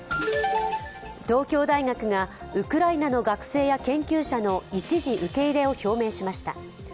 東京大学がウクライナの学生や研究者の一時受け入れを表明しました。